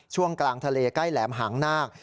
ช่วงกลางทะเลใกล้แหลมหางนาค